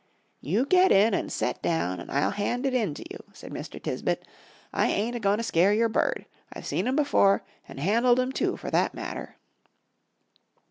"You get in and set down, and I'll hand it in to you," said Mr. Tisbett. "I ain't a goin' to scare your bird. I've seen 'em before, and handled 'em, too, for that matter."